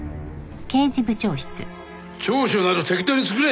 調書など適当に作れ。